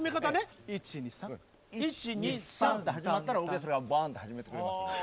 １２３。って始まったらオーケストラがバンって始めてくれますので。